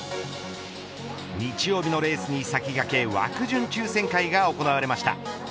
日曜日のレースに先駆け枠順抽選会が行われました。